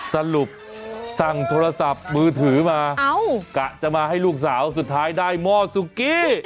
สรุปสั่งโทรศัพท์มือถือมากะจะมาให้ลูกสาวสุดท้ายได้หม้อซุกี้